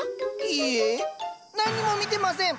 いいえ何にも見てません！